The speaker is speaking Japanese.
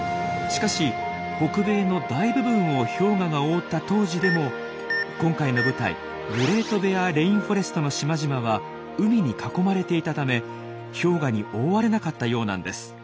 しかし北米の大部分を氷河が覆った当時でも今回の舞台グレートベアレインフォレストの島々は海に囲まれていたため氷河に覆われなかったようなんです。